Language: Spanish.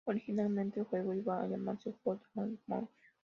Originalmente el juego iba a llamarse "Foot And Mouth".